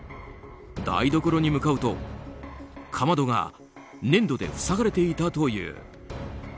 台所に向かうと、かまどが粘土で塞がれていたという。